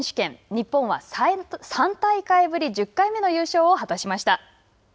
日本は３大会ぶり１０回目の優勝を果たしました。